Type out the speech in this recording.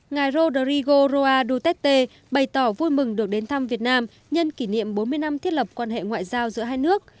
ngài rodrigo roa duterte bày tỏ vui mừng được đến thăm việt nam nhân kỷ niệm bốn mươi năm thiết lập quan hệ ngoại giao giữa hai nước